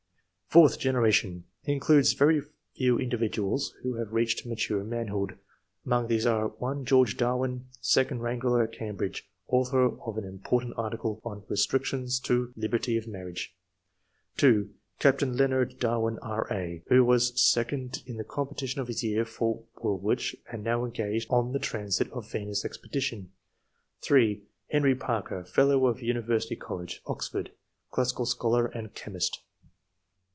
Fourth generation. — Includes very few indi viduals who have reached mature manhood ; among these are (1) George Darwin, second wrangler at Cambridge, author of an important article on '* Restrictions to Liberty of Marriage ;" (2) Captain Leonard Darwin, R.A., who was second in the competition of his year for Wool wich, and now engaged on the Transit of Venus Expedition; (3) Henry Parker, fellow of University College, Oxford, classical scholar and chemist.